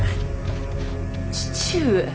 父上。